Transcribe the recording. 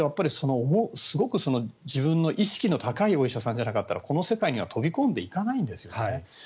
すごく自分の意識の高いお医者さんじゃなかったらこの世界には飛び込んでいかないんですよね。